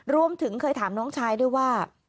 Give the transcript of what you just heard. รวมถึงเคยถามน้องชายด้วยว่า